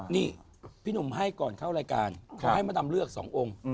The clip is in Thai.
นี่พี่หนุ่มให้ก่อนเข้ารายการขอให้มดำเลือก๒องค์